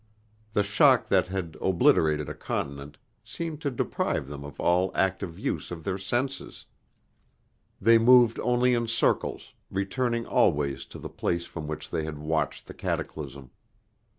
The shock that had obliterated a continent seemed to deprive them of all active use of their senses. They moved only in circles, returning always to the place from which they had watched the cataclysm.